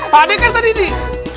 pak ade kan tadi nih